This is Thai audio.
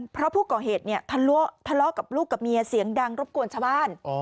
เพราะผู้ก่อเหตุเนี่ยทะเลาะกับลูกกับเมียเสียงดังรบกวนชาวบ้าน